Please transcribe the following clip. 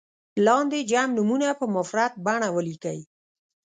لاندې جمع نومونه په مفرد بڼه ولیکئ.